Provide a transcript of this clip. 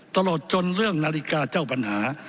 ตลอดจนเรื่องนาฬิกาเจ้าปัญหา